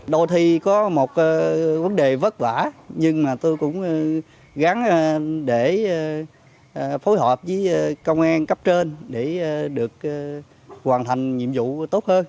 đôi khi có một vấn đề vất vả nhưng tôi gắng để phối hợp với công an cấp trên để hoàn thành nhiệm vụ tốt hơn